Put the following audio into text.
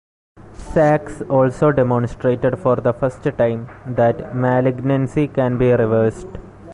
Sachs also demonstrated, for the first time, that malignancy can be reversed.